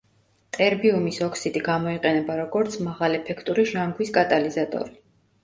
ტერბიუმის ოქსიდი გამოიყენება როგორც მაღალეფექტური ჟანგვის კატალიზატორი.